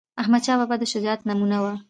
احمدشاه بابا د شجاعت نمونه وه..